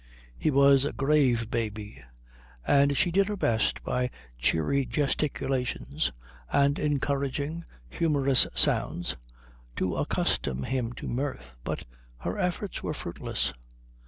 He was a grave baby; and she did her best by cheery gesticulations and encouraging, humorous sounds, to accustom him to mirth, but her efforts were fruitless.